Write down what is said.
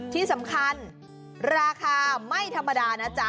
ที่สำคัญราคาไม่ธรรมดานะจ๊ะ